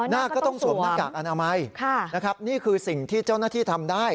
นาคก็ต้องสวมหน้ากากอนามัยนะครับนี่คือสิ่งที่เจ้าหน้าที่ทำได้